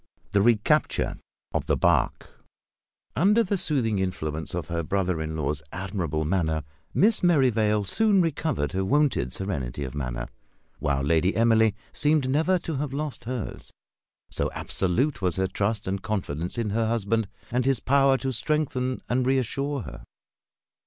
THE RECAPTURE OF THE BARQUE. Under the soothing influence of her brother in law's admirable manner, Miss Merrivale soon recovered her wonted serenity of manner; while Lady Emily seemed never to have lost hers, so absolute was her trust and confidence in her husband, and his power to strengthen and reassure her.